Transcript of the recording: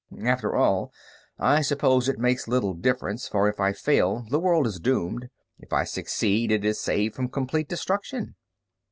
After all, I suppose it makes little difference, for if I fail the world is doomed, if I succeed it is saved from complete destruction.